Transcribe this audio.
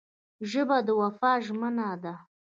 ژبه د وفا ژمنه ده